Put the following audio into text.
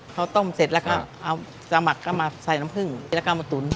เขาต้มเสร็จแล้วก็เอาสมัครเข้ามาใส่น้ำผึ้งแล้วก็มาตุ๋น